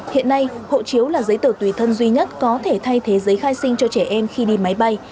hiện nay hộ chiếu là giấy tờ tùy thân duy nhất có thể thay thế giấy khai sinh cho trẻ em khi đi máy bay